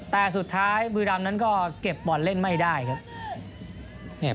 แต่สุดท้ายบุรีรำนั้นก็เก็บบอลเล่นไม่ได้ครับ